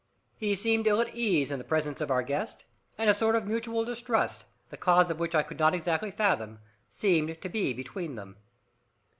He seemed ill at ease in the presence of our guest, and a sort of mutual distrust, the cause of which I could not exactly fathom, seemed to be between them.